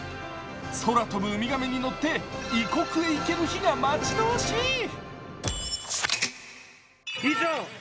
空飛ぶウミガメに乗って異国へ行ける日が待ち遠しい。